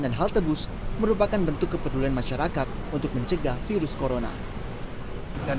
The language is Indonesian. dan haltebus merupakan bentuk kepedulian masyarakat untuk mencegah virus corona dan